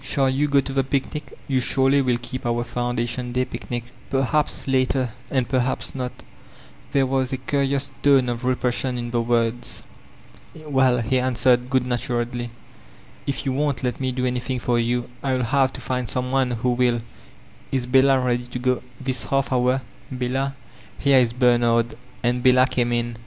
Shall you go to the picnic? You surely will keep our founda* tkxHday picnic?^ 462 VOLTAIftlNE DE ClEYSE "Perhaps — ^later. And perhaps not There curious tone of repression in the words. "Well," he answered good naturedly, "if you won't let me do anything for you, I'll have to find some one who will Is Bella ready to go ?" "This half hour. Bella. Here is Bemard. Aad Bella came in.